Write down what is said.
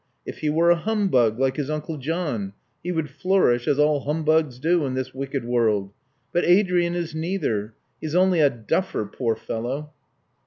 If he were a humbug, like his uncle John he would flourish as all humbugs do in this wicked world. But Adrian is neither: he is only a duffer, poor fellow."